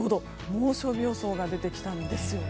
猛暑日予想が出てきたんです。